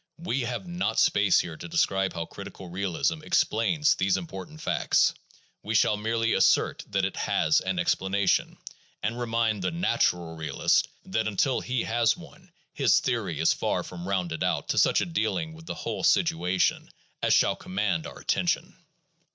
We have not space here to describe how critical realism explains these important facts; we shall merely assert that it has an explanation, and remind the "nat ural '' realist that until he has one his theory is far from rounded out to such a dealing with the whole situation as shall command our attention.